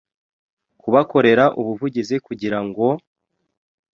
kubakorera ubuvugizi kugira ngo